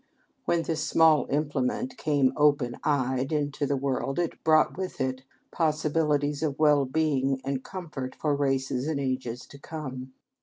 When this small implement came open eyed into the world it brought with it possibilities of well being and comfort for races and ages to come.